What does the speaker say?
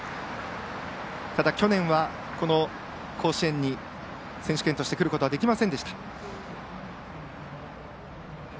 ただ、去年はこの甲子園に選手権として来ることはできませんでした。